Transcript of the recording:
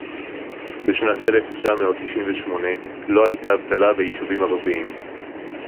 בשנת אלף תשע מאות תשעים ושמונה לא היתה אבטלה ביישובים ערביים